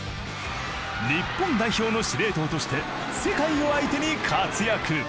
日本代表の司令塔として世界を相手に活躍。